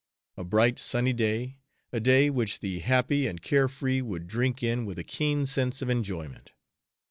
A bright, sunny day, a day which the happy and care free would drink in with a keen sense of enjoyment.